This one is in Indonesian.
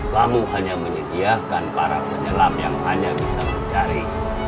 lamu hanya menyediakan para penyelam yang hanya bisa mencari